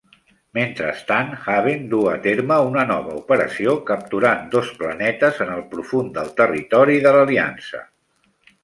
Mentrestant, Haven duu a terme una nova operació capturant dos planetes en el profund del territori de l'Aliança.